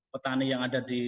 petani yang ada di